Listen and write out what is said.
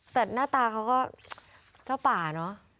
แต่หน้าตาเขาก็เจ้าป่าเนอะ